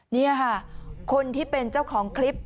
นี่ค่ะคนที่เป็นเจ้าของคลิป